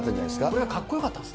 これがかっこよかったんです